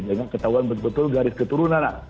sehingga ketahuan betul betul garis keturunan